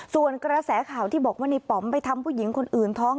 ส่วนกระแสข่าวที่บอกว่าในป๋อมไปทำผู้หญิงคนอื่นท้อง